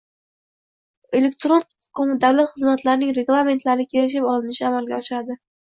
elektron davlat xizmatlarining reglamentlari kelishib olinishini amalga oshiradi;